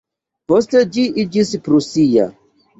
Poste ĝi iĝis prusia.